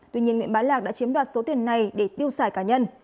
tuy nhiên nguyễn bá lạc đã chiếm đoạt số tiền này để tiêu xài cá nhân